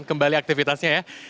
kembali aktivitasnya ya